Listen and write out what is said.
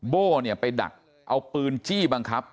โบไปดักเอาปืนจี้บังคับ